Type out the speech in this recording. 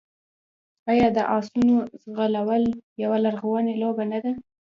آیا د اسونو ځغلول یوه لرغونې لوبه نه ده؟